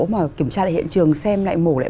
mà kiểm tra lại hiện trường xem lại mổ lại